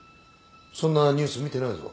そんなニュース見てないぞ。